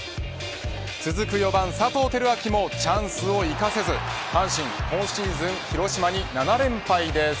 続く４番、佐藤輝明もチャンスを生かせず阪神今シーズン広島に７連敗です。